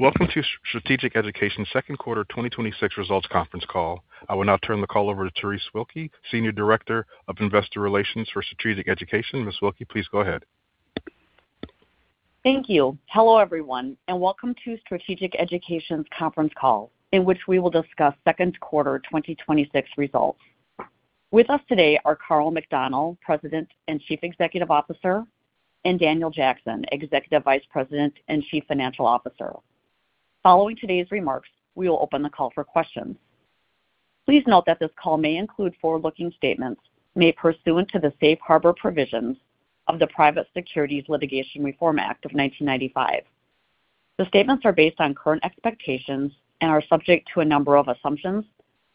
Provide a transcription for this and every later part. Welcome to Strategic Education's second quarter 2026 results conference call. I will now turn the call over to Terese Wilke, Senior Director of Investor Relations for Strategic Education. Ms. Wilke, please go ahead. Thank you. Hello everyone, welcome to Strategic Education's conference call, in which we will discuss second quarter 2026 results. With us today are Karl McDonnell, President and Chief Executive Officer, and Daniel Jackson, Executive Vice President and Chief Financial Officer. Following today's remarks, we will open the call for questions. Please note that this call may include forward-looking statements made pursuant to the Safe Harbor provisions of the Private Securities Litigation Reform Act of 1995. The statements are based on current expectations and are subject to a number of assumptions,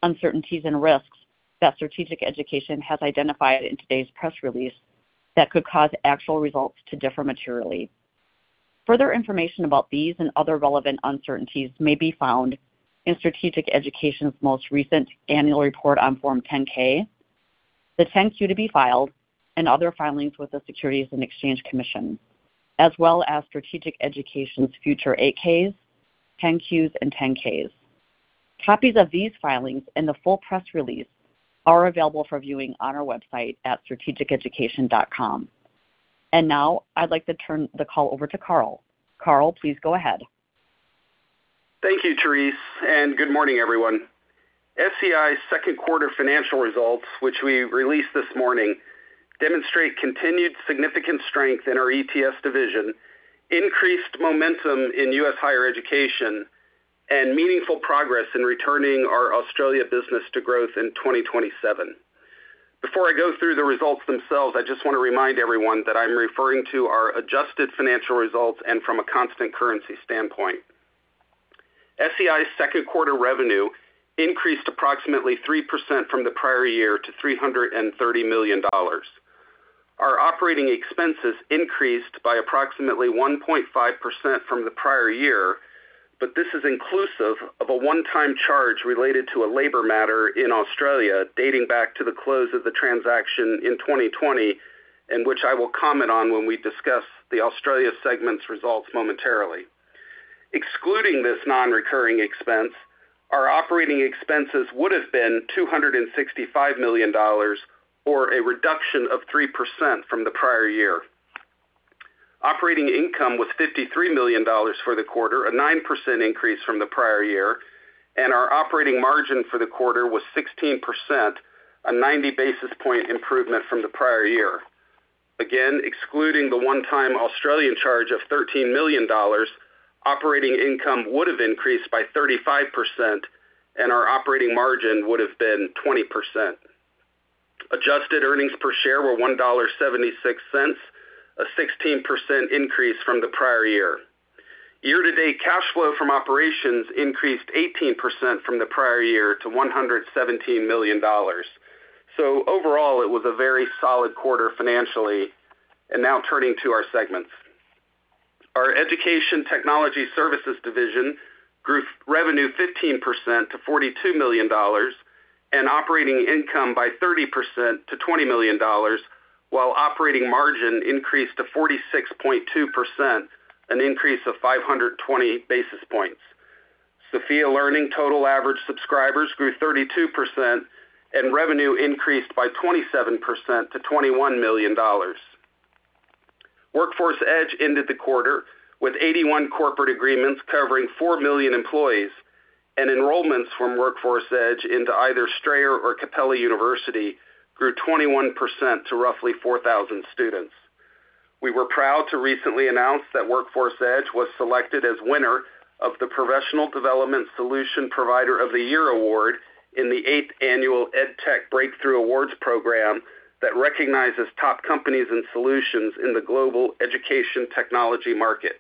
uncertainties, and risks that Strategic Education has identified in today's press release that could cause actual results to differ materially. Further information about these and other relevant uncertainties may be found in Strategic Education's most recent annual report on Form 10-K, the 10-Q to be filed, and other filings with the Securities and Exchange Commission, as well as Strategic Education's future 8-Ks, 10-Qs, and 10-Ks. Copies of these filings and the full press release are available for viewing on our website at strategiceducation.com. Now I'd like to turn the call over to Karl. Karl, please go ahead. Thank you, Terese, good morning, everyone. SEI's second quarter financial results, which we released this morning, demonstrate continued significant strength in our ETS division, increased momentum in U.S. higher education, and meaningful progress in returning our Australia business to growth in 2027. Before I go through the results themselves, I just want to remind everyone that I'm referring to our adjusted financial results and from a constant currency standpoint. SEI's second quarter revenue increased approximately 3% from the prior year to $330 million. Our operating expenses increased by approximately 1.5% from the prior year, this is inclusive of a one-time charge related to a labor matter in Australia dating back to the close of the transaction in 2020, which I will comment on when we discuss the Australia segment's results momentarily. Excluding this non-recurring expense, our operating expenses would have been $265 million, or a reduction of 3% from the prior year. Operating income was $53 million for the quarter, a 9% increase from the prior year, and our operating margin for the quarter was 16%, a 90 basis point improvement from the prior year. Again, excluding the one-time Australian charge of $13 million, operating income would have increased by 35% and our operating margin would have been 20%. Adjusted earnings per share were $1.76, a 16% increase from the prior year. Year-to-date cash flow from operations increased 18% from the prior year to $117 million. Overall, it was a very solid quarter financially. Now turning to our segments. Our Education Technology Services division grew revenue 15% to $42 million and operating income by 30% to $20 million while operating margin increased to 46.2%, an increase of 520 basis points. Sophia Learning total average subscribers grew 32% and revenue increased by 27% to $21 million. Workforce Edge ended the quarter with 81 corporate agreements covering 4 million employees, and enrollments from Workforce Edge into either Strayer or Capella University grew 21% to roughly 4,000 students. We were proud to recently announce that Workforce Edge was selected as winner of the Professional Development Solution Provider of the Year award in the eighth annual EdTech Breakthrough Awards program that recognizes top companies and solutions in the global education technology market.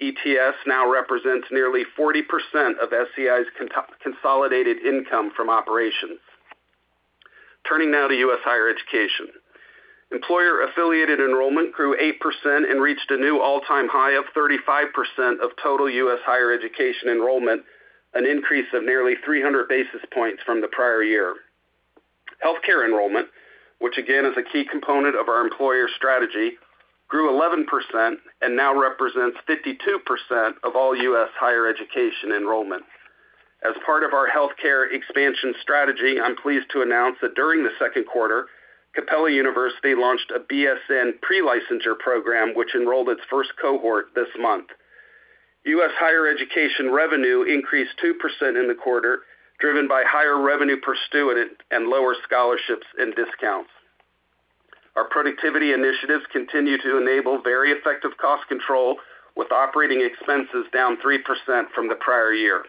ETS now represents nearly 40% of SEI's consolidated income from operations. Turning now to U.S. higher education. Employer-affiliated enrollment grew 8% and reached a new all-time high of 35% of total U.S. higher education enrollment, an increase of nearly 300 basis points from the prior year. Healthcare enrollment, which again is a key component of our employer strategy, grew 11% and now represents 52% of all U.S. higher education enrollment. As part of our healthcare expansion strategy, I'm pleased to announce that during the second quarter, Capella University launched a BSN pre-licensure program, which enrolled its first cohort this month. U.S. higher education revenue increased 2% in the quarter, driven by higher revenue per student and lower scholarships and discounts. Our productivity initiatives continue to enable very effective cost control, with operating expenses down 3% from the prior year.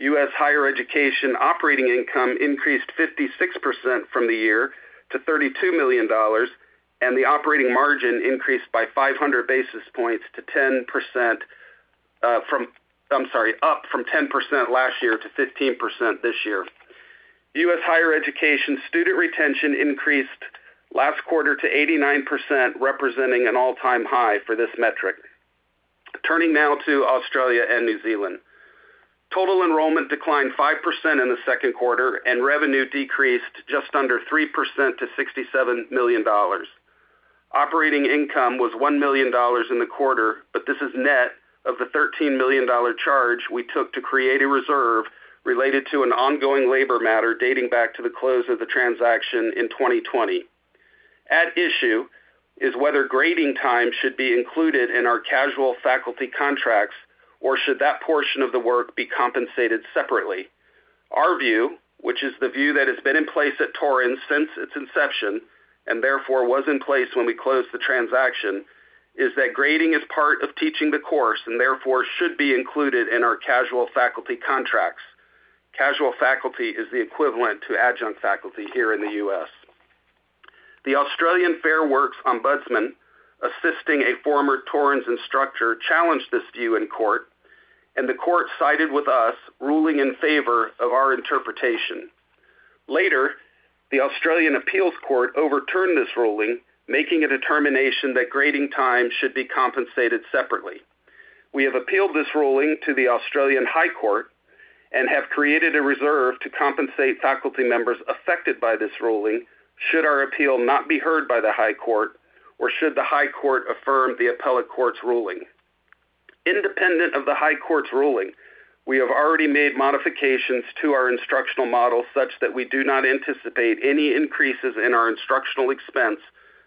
U.S. higher education operating income increased 56% from the year to $32 million, and the operating margin increased by 500 basis points to 10%, up from 10% last year to 15% this year. U.S. higher education student retention increased last quarter to 89%, representing an all-time high for this metric. Turning now to Australia and New Zealand. Total enrollment declined 5% in the second quarter, and revenue decreased just under 3% to $67 million. Operating income was $1 million in the quarter, but this is net of the $13 million charge we took to create a reserve related to an ongoing labor matter dating back to the close of the transaction in 2020. At issue is whether grading time should be included in our casual faculty contracts, or should that portion of the work be compensated separately. Our view, which is the view that has been in place at Torrens University Australia since its inception, and therefore was in place when we closed the transaction, is that grading is part of teaching the course, and therefore should be included in our casual faculty contracts. Casual faculty is the equivalent to adjunct faculty here in the U.S. The Australian Fair Work Ombudsman, assisting a former Torrens University Australia instructor, challenged this view in court, and the court sided with us, ruling in favor of our interpretation. Later, the Australian Appeals Court overturned this ruling, making a determination that grading time should be compensated separately. We have appealed this ruling to the High Court of Australia and have created a reserve to compensate faculty members affected by this ruling should our appeal not be heard by the High Court of Australia or should the High Court of Australia affirm the appellate court's ruling. Independent of the High Court of Australia's ruling, we have already made modifications to our instructional model such that we do not anticipate any increases in our instructional expense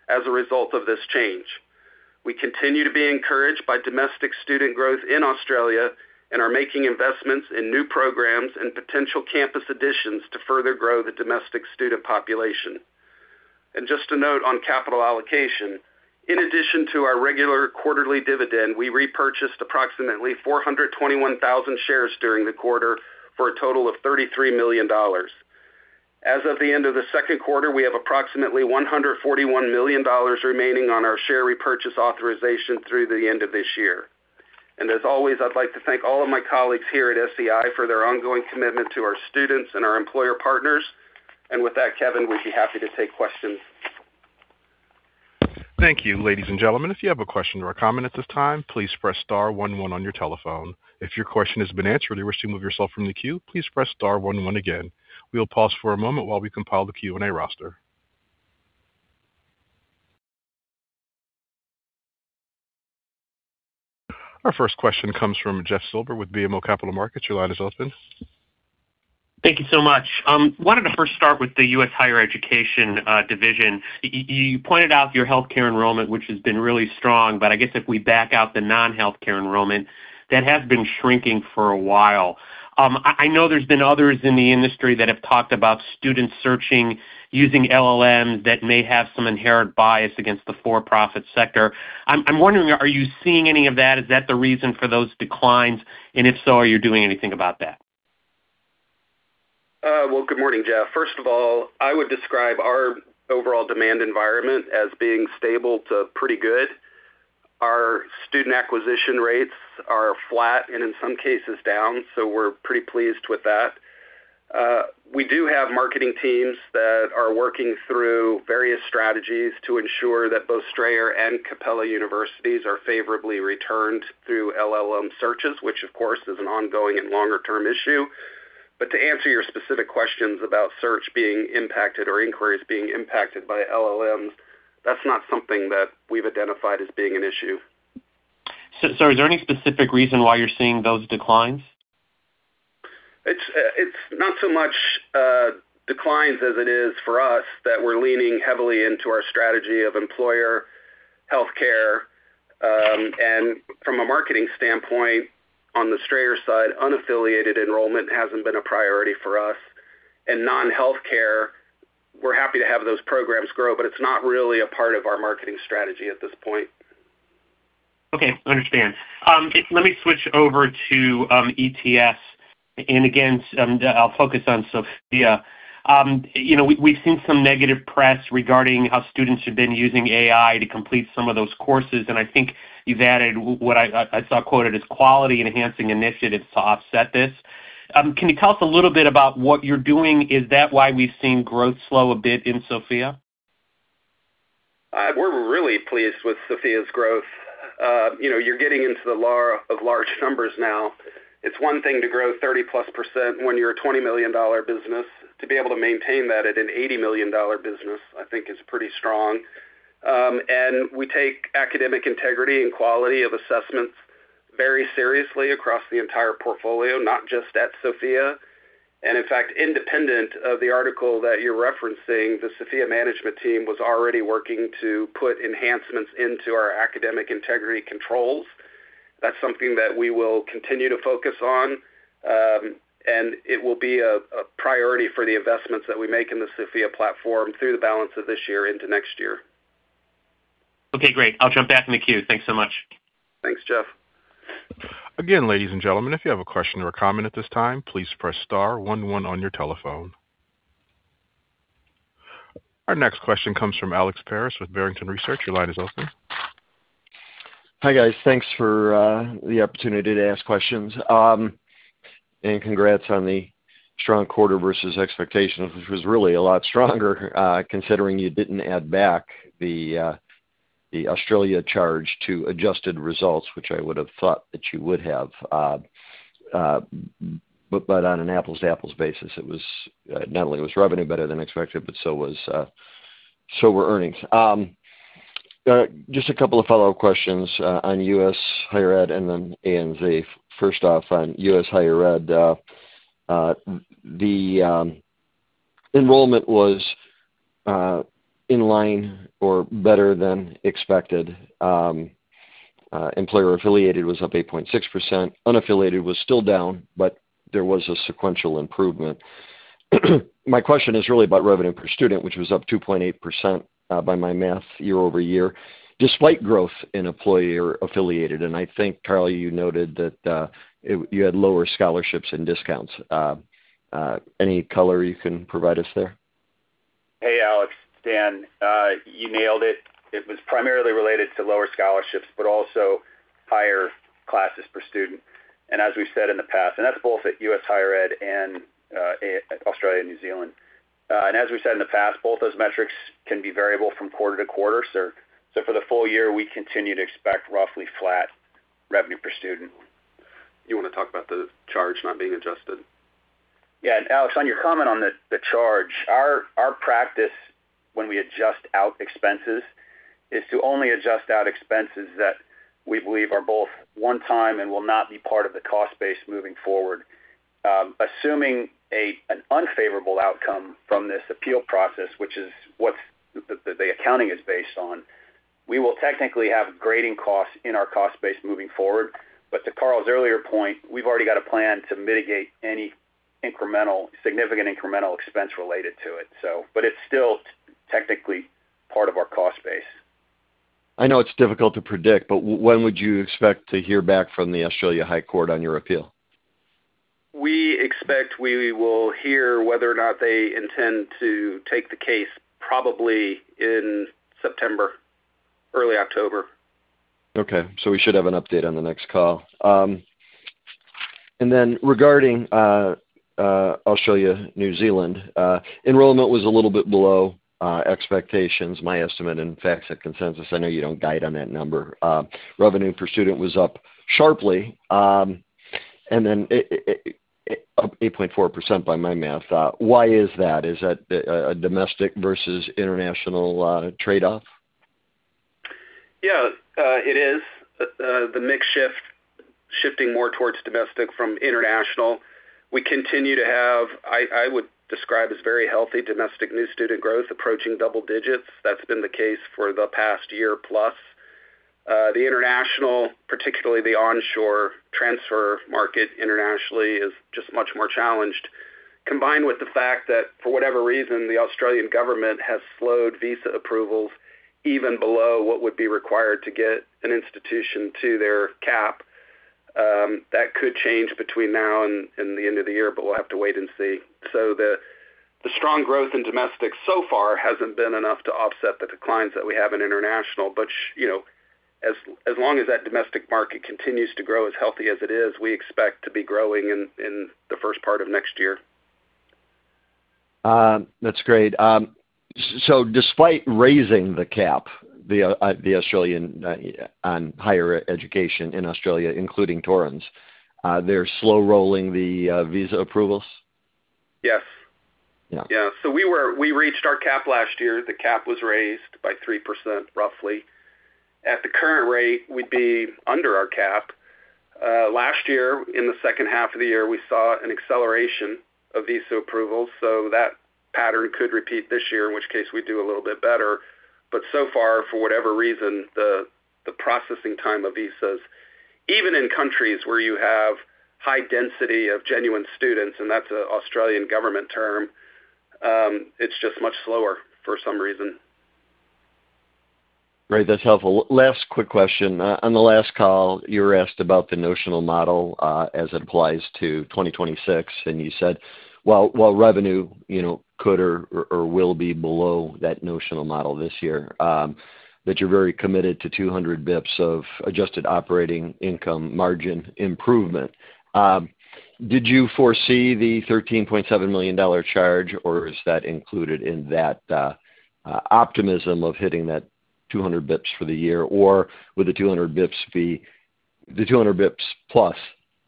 as a result of this change. We continue to be encouraged by domestic student growth in Australia and are making investments in new programs and potential campus additions to further grow the domestic student population. Just a note on capital allocation. In addition to our regular quarterly dividend, we repurchased approximately 421,000 shares during the quarter, for a total of $33 million. As of the end of the second quarter, we have approximately $141 million remaining on our share repurchase authorization through the end of this year. As always, I'd like to thank all of my colleagues here at SEI for their ongoing commitment to our students and our employer partners. With that, Kevin, we'd be happy to take questions. Thank you. Ladies and gentlemen, if you have a question or a comment at this time, please press star one one on your telephone. If your question has been answered and you wish to remove yourself from the queue, please press star one one again. We'll pause for a moment while we compile the Q&A roster. Our first question comes from Jeff Silber with BMO Capital Markets. Your line is open. Thank you so much. Wanted to first start with the U.S. higher education division. You pointed out your healthcare enrollment, which has been really strong, but I guess if we back out the non-healthcare enrollment, that has been shrinking for a while. I know there's been others in the industry that have talked about students searching using LLMs that may have some inherent bias against the for-profit sector. I'm wondering, are you seeing any of that? Is that the reason for those declines? If so, are you doing anything about that? Well, good morning, Jeff. First of all, I would describe our overall demand environment as being stable to pretty good. Our student acquisition rates are flat and in some cases down, we're pretty pleased with that. We do have marketing teams that are working through various strategies to ensure that both Strayer University and Capella University are favorably returned through LLM searches, which of course is an ongoing and longer-term issue. To answer your specific questions about search being impacted or inquiries being impacted by LLMs, that's not something that we've identified as being an issue. Is there any specific reason why you're seeing those declines? It's not so much declines as it is for us that we're leaning heavily into our strategy of employer healthcare. From a marketing standpoint, on the Strayer side, unaffiliated enrollment hasn't been a priority for us. In non-healthcare, we're happy to have those programs grow, it's not really a part of our marketing strategy at this point. Okay. Understand. Let me switch over to ETS. Again, I'll focus on Sophia. We've seen some negative press regarding how students have been using AI to complete some of those courses, and I think you've added what I saw quoted as quality-enhancing initiatives to offset this. Can you tell us a little bit about what you're doing? Is that why we've seen growth slow a bit in Sophia? We're really pleased with Sophia's growth. You're getting into the large numbers now. It's one thing to grow 30%+ when you're a $20 million business. To be able to maintain that at an $80 million business, I think, is pretty strong. We take academic integrity and quality of assessments very seriously across the entire portfolio, not just at Sophia. In fact, independent of the article that you're referencing, the Sophia management team was already working to put enhancements into our academic integrity controls. That's something that we will continue to focus on. It will be a priority for the investments that we make in the Sophia platform through the balance of this year into next year. Okay, great. I'll jump back in the queue. Thanks so much. Thanks, Jeff. Again, ladies and gentlemen, if you have a question or a comment at this time, please press star one one on your telephone. Our next question comes from Alex Paris with Barrington Research. Your line is open. Hi, guys. Thanks for the opportunity to ask questions. Congrats on the strong quarter versus expectations, which was really a lot stronger considering you didn't add back the Australia charge to adjusted results, which I would have thought that you would have. On an apples-to-apples basis, not only was revenue better than expected, but so were earnings. Just a couple of follow-up questions on U.S. Higher Ed and then ANZ. First off, on U.S. Higher Ed, the enrollment was in line or better than expected. Employer-affiliated was up 8.6%. Unaffiliated was still down, but there was a sequential improvement. My question is really about revenue per student, which was up 2.8%, by my math, year-over-year, despite growth in employer-affiliated. I think, Karl, you noted that you had lower scholarships and discounts. Any color you can provide us there? Hey, Alex. Dan, you nailed it. It was primarily related to lower scholarships, but also higher classes per student. As we've said in the past, and that's both at U.S. Higher Ed and Australia and New Zealand. As we said in the past, both those metrics can be variable from quarter to quarter. For the full year, we continue to expect roughly flat revenue per student. You want to talk about the charge not being adjusted? Yeah. Alex, on your comment on the charge, our practice when we adjust out expenses is to only adjust out expenses that we believe are both one-time and will not be part of the cost base moving forward. Assuming an unfavorable outcome from this appeal process, which is what the accounting is based on, we will technically have grading costs in our cost base moving forward. To Karl's earlier point, we've already got a plan to mitigate any significant incremental expense related to it. It's still technically part of our cost base. I know it's difficult to predict, but when would you expect to hear back from the High Court of Australia on your appeal? We expect we will hear whether or not they intend to take the case probably in September, early October. Okay. We should have an update on the next call. Regarding Australia, New Zealand, enrollment was a little bit below expectations, my estimate and FactSet consensus. I know you don't guide on that number. Revenue per student was up sharply. Up 8.4% by my math. Why is that? Is that a domestic versus international trade-off? Yeah. It is. The mix shifting more towards domestic from international. We continue to have, I would describe as very healthy domestic new student growth approaching double digits. That's been the case for the past year plus. The international, particularly the onshore transfer market internationally, is just much more challenged. Combined with the fact that, for whatever reason, the Australian government has slowed visa approvals even below what would be required to get an institution to their cap. That could change between now and the end of the year, but we'll have to wait and see. The strong growth in domestic so far hasn't been enough to offset the declines that we have in international, but as long as that domestic market continues to grow as healthy as it is, we expect to be growing in the first part of next year. That's great. Despite raising the cap on higher education in Australia, including Torrens, they're slow-rolling the visa approvals? Yes. Yeah. We reached our cap last year. The cap was raised by 3%, roughly. At the current rate, we'd be under our cap. Last year, in the second half of the year, we saw an acceleration of visa approvals. That pattern could repeat this year, in which case we'd do a little bit better. So far, for whatever reason, the processing time of visas, even in countries where you have high density of genuine students, and that's an Australian government term, it's just much slower for some reason. Great. That's helpful. Last quick question. On the last call, you were asked about the notional model, as it applies to 2026, you said while revenue could or will be below that notional model this year, that you're very committed to 200 basis points of adjusted operating income margin improvement. Did you foresee the $13.7 million charge, or is that included in that optimism of hitting that 200 basis points for the year? Would the 200 basis points plus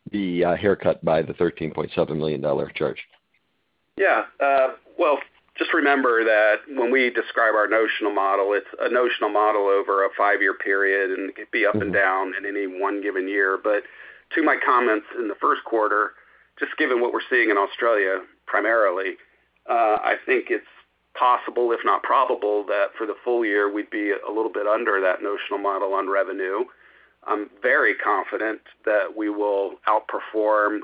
be haircut by the $13.7 million charge? Well, just remember that when we describe our notional model, it's a notional model over a five-year period, it could be up and down in any one given year. To my comments in the first quarter, just given what we're seeing in Australia, primarily, I think it's possible, if not probable, that for the full year, we'd be a little bit under that notional model on revenue. I'm very confident that we will outperform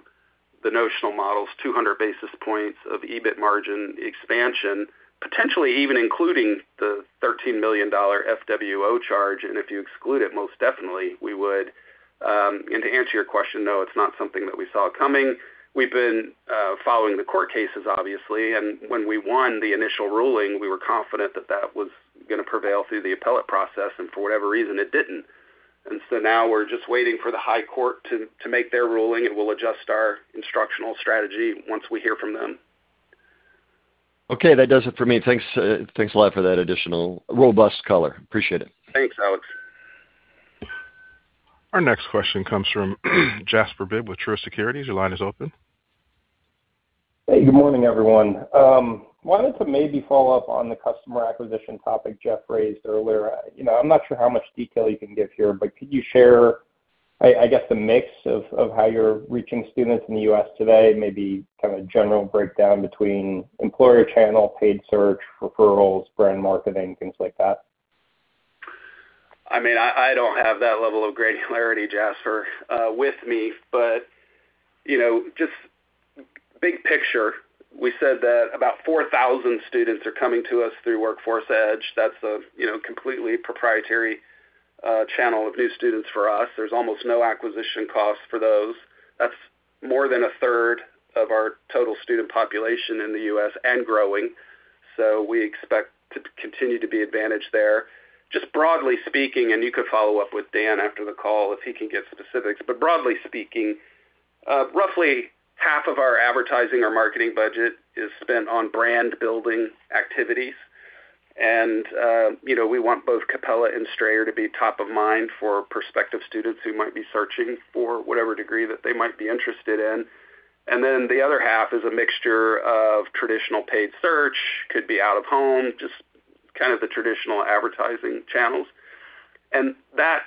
the notional model's 200 basis points of EBIT margin expansion, potentially even including the $13 million FWO charge. If you exclude it, most definitely we would. To answer your question, no, it's not something that we saw coming. We've been following the court cases, obviously. When we won the initial ruling, we were confident that that was going to prevail through the appellate process, for whatever reason, it didn't. Now we're just waiting for the High Court to make their ruling, and we'll adjust our instructional strategy once we hear from them. Okay. That does it for me. Thanks a lot for that additional robust color. Appreciate it. Thanks, Alex. Our next question comes from Jasper Bibb with Truist Securities. Your line is open. Hey, good morning, everyone. Wanted to maybe follow up on the customer acquisition topic Jeff raised earlier. I'm not sure how much detail you can give here, but could you share, I guess, the mix of how you're reaching students in the U.S. today, maybe kind of a general breakdown between employer channel, paid search, referrals, brand marketing, things like that? I don't have that level of granularity, Jasper, with me. Just big picture, we said that about 4,000 students are coming to us through Workforce Edge. That's a completely proprietary channel of new students for us. There's almost no acquisition cost for those. That's more than a third of our total student population in the U.S. and growing. We expect to continue to be advantaged there. Just broadly speaking, you could follow up with Dan after the call if he can give specifics. Broadly speaking, roughly half of our advertising or marketing budget is spent on brand-building activities. We want both Capella and Strayer to be top of mind for prospective students who might be searching for whatever degree that they might be interested in. The other half is a mixture of traditional paid search, could be out of home, just kind of the traditional advertising channels. That,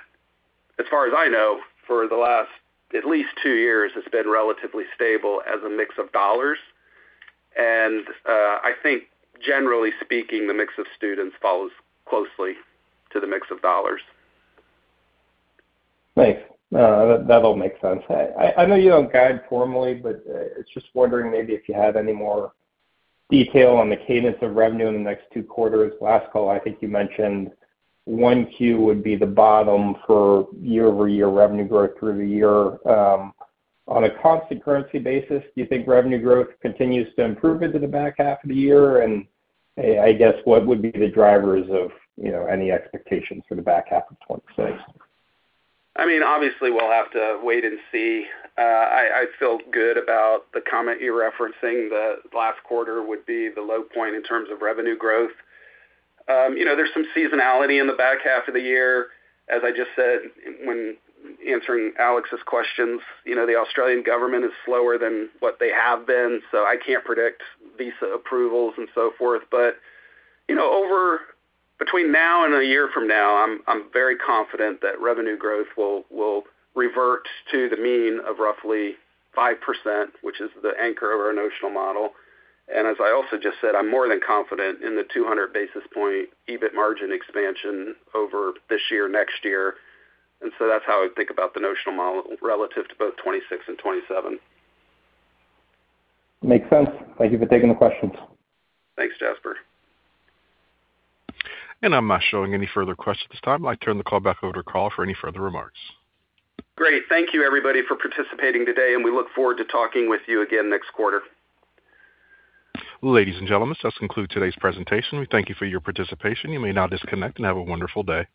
as far as I know, for the last at least two years, has been relatively stable as a mix of dollars. I think generally speaking, the mix of students follows closely to the mix of dollars. Thanks. That all makes sense. I know you don't guide formally, it's just wondering maybe if you have any more detail on the cadence of revenue in the next two quarters. Last call, I think you mentioned 1Q would be the bottom for year-over-year revenue growth through the year. On a constant currency basis, do you think revenue growth continues to improve into the back half of the year? I guess what would be the drivers of any expectations for the back half of 2026? Obviously, we'll have to wait and see. I feel good about the comment you're referencing, the last quarter would be the low point in terms of revenue growth. There's some seasonality in the back half of the year. As I just said when answering Alex's questions, the Australian government is slower than what they have been, so I can't predict visa approvals and so forth. Between now and a year from now, I'm very confident that revenue growth will revert to the mean of roughly 5%, which is the anchor of our notional model. As I also just said, I'm more than confident in the 200 basis point EBIT margin expansion over this year, next year. That's how I think about the notional model relative to both 2026 and 2027. Makes sense. Thank you for taking the questions. Thanks, Jasper I'm not showing any further questions at this time. I turn the call back over to Karl for any further remarks. Great. Thank you everybody for participating today. We look forward to talking with you again next quarter. Ladies and gentlemen, this does conclude today's presentation. We thank you for your participation. You may now disconnect. Have a wonderful day.